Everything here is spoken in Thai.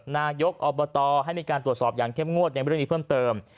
นายกอบตให้มีการตรวจสอบอย่างเข้มงวดในเรื่องนี้เพิ่มเติม